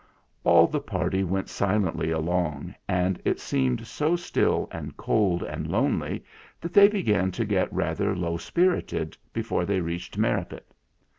All the party went silently along; and it seemed so still and cold and lonely that they began to get rather low spirited before they reached Merripit.